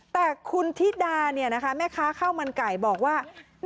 แต่คุณธิดาแม่ค้าข้าวมันไก่บอกว่า